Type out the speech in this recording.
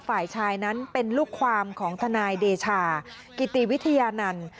ฝ่ายชายนั้นเป็นลูกความของทนายเดชากิติวิทยานันต์